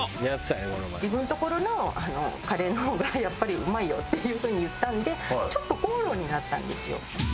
「自分のところのカレーの方がやっぱりうまいよ」っていう風に言ったんでちょっと口論になったんですよ。